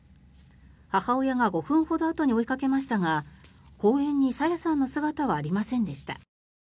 母親が５分ほどあとに追いかけましたが公園に朝芽さんの姿はありませんでした。